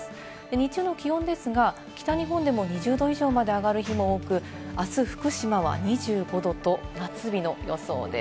日中の気温は北日本でも２０度以上まで上がる日も多く、明日、福島は２５度と夏日の予想です。